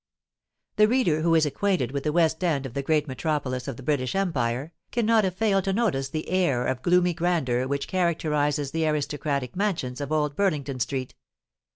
The reader who is acquainted with the West End of the great metropolis of the British Empire, cannot have failed to notice the air of gloomy grandeur which characterises the aristocratic mansions of Old Burlington Street.